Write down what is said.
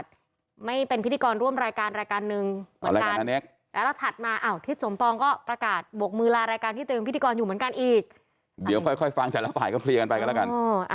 เดี๋ยวค่อยฟังแต่ละฝ่ายก็เคลียร์กันไปกันแล้วกัน